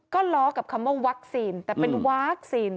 ก็ล้อกับคำว่าวัคซีนแต่เป็นวัคซีน